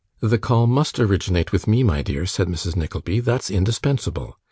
'The call MUST originate with me, my dear,' said Mrs. Nickleby, 'that's indispensable.